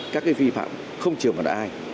các cái vi phạm không trường vào ai